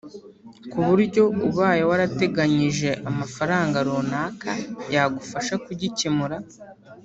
ku buryo ubaye warateganyije amafaranga runaka yagufasha kugikemura